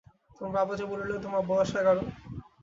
তোমার বাবা যে বলিলেন, তোমার বয়স এগারো।